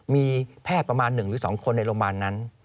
มีแพทย์ประมาณ๑หรือ๒คนในโรงพยาบาลนั้น